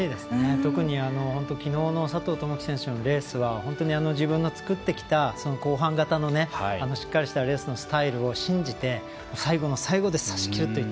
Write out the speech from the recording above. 特に昨日の佐藤友祈選手のレースは本当に自分が作ってきた後半型のしっかりとしたレースのスタイルを信じて、最後の最後でさしきるという。